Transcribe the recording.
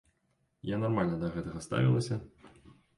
Я нармальна да гэтага ставілася.